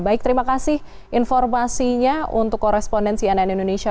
baik terima kasih informasinya untuk korespondensi ann indonesia